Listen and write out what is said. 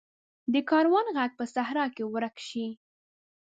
د کاروان ږغ په صحرا کې ورک شي.